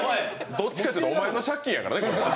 どっちかいうとお前の借金やからな。